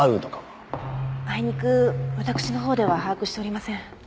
あいにく私のほうでは把握しておりません。